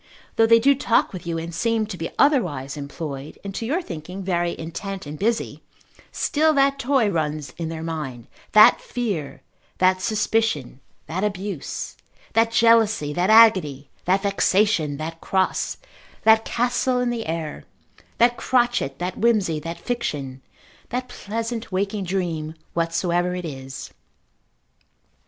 Though they do talk with you, and seem to be otherwise employed, and to your thinking very intent and busy, still that toy runs in their mind, that fear, that suspicion, that abuse, that jealousy, that agony, that vexation, that cross, that castle in the air, that crotchet, that whimsy, that fiction, that pleasant waking dream, whatsoever it is.